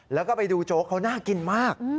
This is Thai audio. แล้วก็ไปดูโจ๊กเขาน่ากินมาก